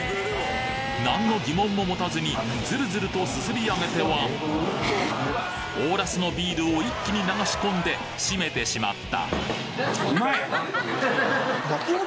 何の疑問ももたずにズルズルとすすり上げてはオーラスのビールを一気に流し込んでシメてしまった！